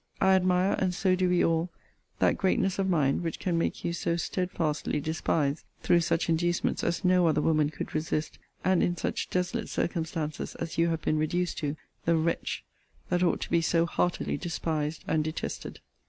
I admire, and so we do all, that greatness of mind which can make you so stedfastly despise (through such inducements as no other woman could resist, and in such desolate circumstances as you have been reduced to) the wretch that ought to be so heartily despised and detested.